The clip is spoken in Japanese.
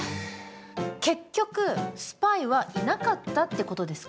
結局スパイはいなかったってことですか？